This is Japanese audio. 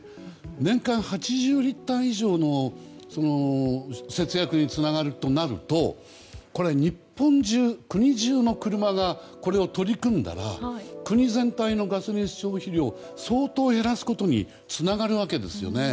年間８０リッター以上の節約につながるとなると日本中、国中の車がこれに取り組んだら国全体のガソリン消費量を相当減らすことにつながるわけですよね。